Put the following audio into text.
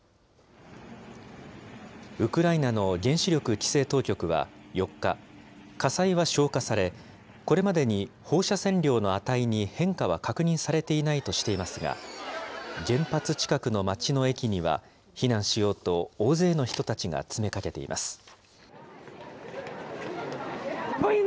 ウクライナの原子力規制当局は４日、火災は消火され、これまでに放射線量の値に変化は確認されていないとしていますが、原発近くの町の駅には、避難しようと、大勢の人たちが詰めかけています。